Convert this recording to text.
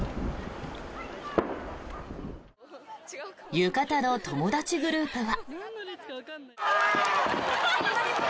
浴衣の友達グループは。